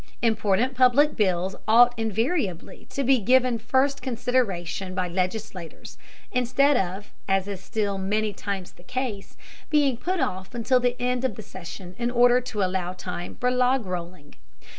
Important public bills ought invariably to be given first consideration by legislators, instead of, as is still many times the case, being put off until the end of the session in order to allow time for log rolling.